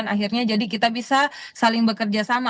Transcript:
akhirnya jadi kita bisa saling bekerja sama